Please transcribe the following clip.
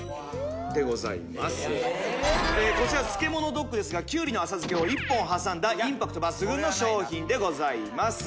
こちら漬物ドックですがきゅうりの浅漬けを１本挟んだインパクト抜群の商品でございます